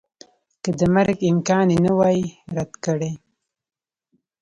که د مرګ امکان یې نه وای رد کړی